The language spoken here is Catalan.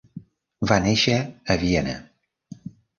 Va néixer a Viena.